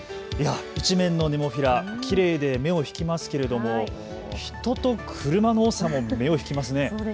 一面のネモフィラ、きれいで目を引きますけれども人と車の多さも目を引きますね。